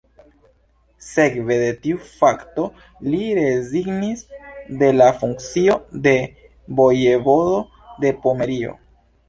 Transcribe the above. Sekve de tiu fakto li rezignis de la funkcio de Vojevodo de Pomerio.